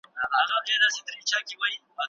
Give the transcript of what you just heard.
که کورنۍ روغه وي ټولنه روغه ده.